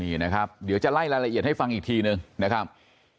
นี่นะครับเดี๋ยวจะไล่รายละเอียดให้ฟังอีกทีนึงนะครับ